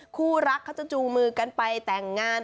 คู่รักเขาจะจูงมือกันไปแต่งงาน